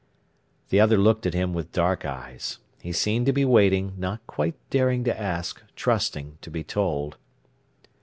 The other looked at him with dark eyes. He seemed to be waiting, not quite daring to ask, trusting to be told.